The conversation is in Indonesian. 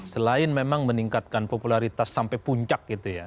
selain memang meningkatkan popularitas sampai puncak gitu ya